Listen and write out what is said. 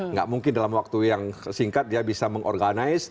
nggak mungkin dalam waktu yang singkat dia bisa mengorganize